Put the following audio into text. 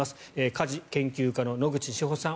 家事研究家の野口志保さん